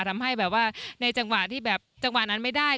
ทำให้แบบว่าในจังหวะที่แบบจังหวะนั้นไม่ได้